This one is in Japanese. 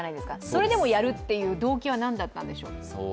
それでもやるという動機はなんだったんでしょう？